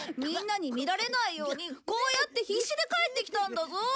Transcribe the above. みんなに見られないようにこうやって必死で帰ってきたんだぞ！